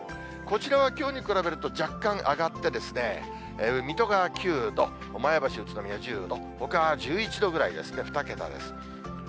こちらはきょうに比べると若干上がって、水戸が９度、前橋、宇都宮１０度、ほかは１１度ぐらいですね、２桁です。